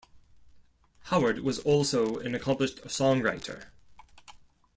Howard was also an accomplished songwriter.